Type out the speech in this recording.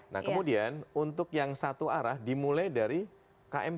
nah kemudian untuk yang satu arah dimulai dari km tujuh puluh